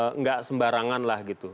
tidak sembarangan lah gitu